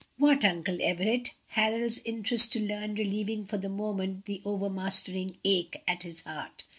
"What, Uncle Everett?" Harold's interest to learn relieving for the moment the overmastering ache at his heart.